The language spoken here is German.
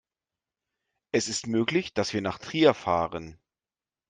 Es ist möglich, dass wir nach Trier fahren